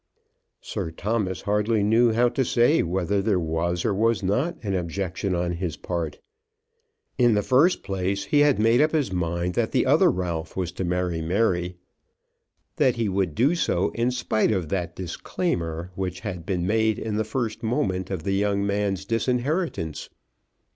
Sir Thomas hardly knew how to say whether there was or was not an objection on his part. In the first place he had made up his mind that the other Ralph was to marry Mary, that he would do so in spite of that disclaimer which had been made in the first moment of the young man's disinheritance.